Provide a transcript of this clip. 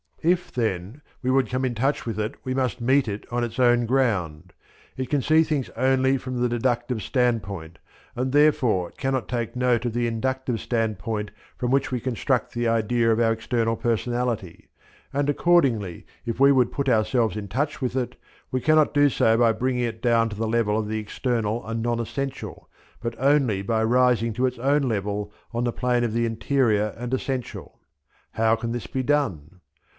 If, then, we would come in touch with it we must meet it on its own ground. It can see things only from the deductive standpoint, and therefore cannot take note of the inductive standpoint from which we construct the idea of our external personality; and accordingly if we would put ourselves in touch with it, we cannot do so by bringing it down to the level of the external and non essential but only by rising to its own level on the plane of the interior and essential. How can this be done?